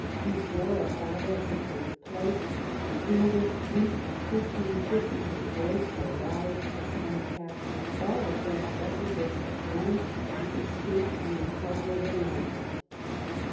Before a battle could take place, the English fleet of fifteen ships under Blake arrived and captured all the French vessels except one, which escaped under cover of the night.